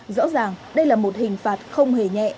rõ ràng đây là một hình phạt không hề nhẹ